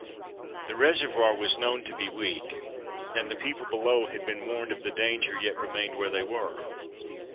The reservoir was known to be weak, and the people below had been warned of the danger yet remained where they were.